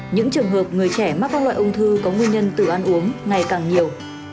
những trường hợp người trẻ mắc các loại ung thư có nguyên nhân từ ăn uống ngày càng nhiều